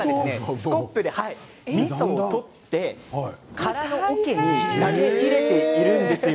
スコップでみそを取って空のおけに投げ入れているんです。